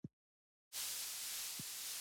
قاتل خپله کورنۍ هم بدناموي